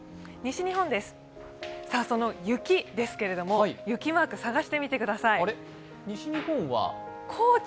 西日本です、その雪ですけれども、雪マークを探してみてください。